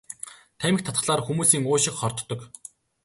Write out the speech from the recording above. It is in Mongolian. Тамхи татахлаар хүмүүсийн уушиг хордог.